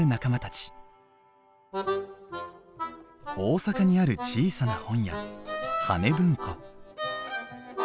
大阪にある小さな本屋葉ね文庫。